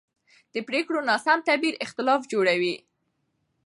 د پرېکړو ناسم تعبیر اختلاف جوړوي